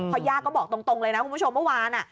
ย่าก็บอกตรงเลยนะคุณผู้ชมเมื่อวาน